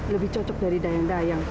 lebih cocok dari dayang dayang